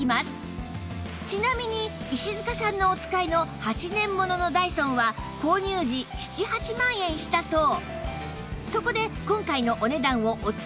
ちなみに石塚さんがお使いの８年もののダイソンは購入時７８万円したそう